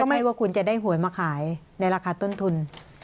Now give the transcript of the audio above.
ไม่ว่าคุณจะได้หวยมาขายในราคาต้นทุน